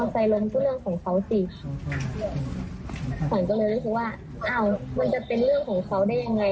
ฝั่งเธอบอกมันจะเป็นเรื่องของเขาได้อย่างไร